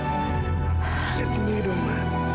lihat sendiri ma